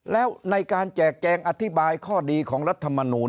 แล้วในการแจกแจงอธิบายข้อดีของรัฐมนูล